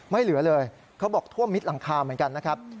ไม่เหลือเลยเขาบอกท่วมมิดหลังคาเหมือนกันนะครับ